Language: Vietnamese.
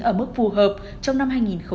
ở mức phù hợp trong năm hai nghìn một mươi chín